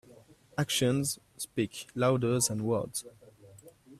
Actions speak louder than words.